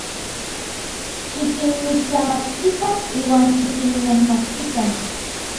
Xikinmixtlamachtikan iuan xikinnejmachtikan.